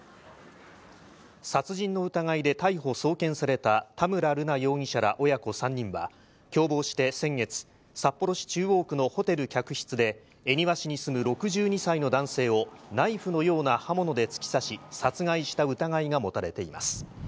殺人の疑いで逮捕・送検された、田村瑠奈容疑者ら親子３人は、共謀して先月、札幌市中央区のホテル客室で、恵庭市に住む６２歳の男性をナイフのような刃物で突き刺し、殺害した疑いが持たれています。